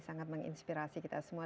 sangat menginspirasi kita semua